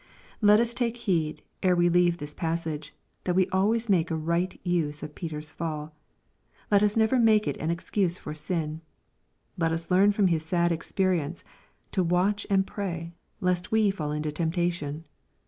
Let us take heed, ere we leave this passage, that we always make a right use of Peter's fall. Let us never make it an excuse for sin. Let us learn from his sad ex perience, to watch and pray, lest we fall into temptation.